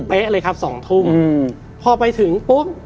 เป๊ะเลยครับ๒ทุ่มพอไปถึงปุ๊บ